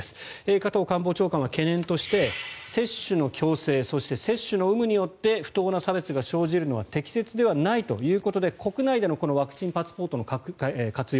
加藤官房長官は懸念として接種の強制そして接種の有無によって不当な差別が生じるのは適切ではないということで国内のワクチンパスポートの活用